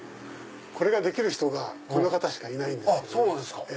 これができる人がこの方しかいないんですよ。